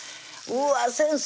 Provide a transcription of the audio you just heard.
わっ先生